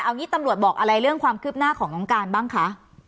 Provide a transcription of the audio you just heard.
เอางี้ตำรวจบอกอะไรเรื่องความคืบหน้าของน้องการบ้างคะ